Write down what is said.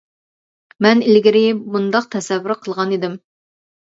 مەن ئىلگىرى مۇنداق تەسەۋۋۇر قىلغان ئىدىم.